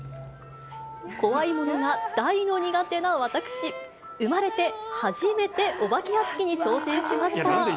怖いものが大の苦手な私、生まれて初めてお化け屋敷に挑戦しました。